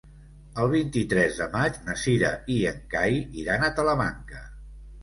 El vint-i-tres de maig na Cira i en Cai iran a Talamanca.